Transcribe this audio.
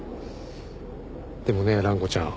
でもね蘭子ちゃん。